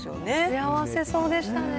幸せそうでしたね。